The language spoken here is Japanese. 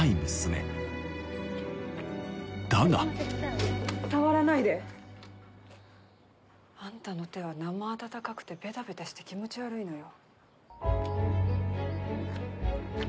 だが触らないで。あんたの手は生暖かくてベタベタして気持ち悪いのよ。